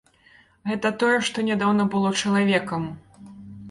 Гэта тое, што нядаўна было чалавекам!